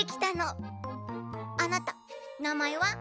あなたなまえは？